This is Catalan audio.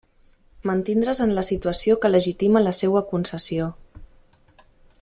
Mantindre's en la situació que legitima la seua concessió.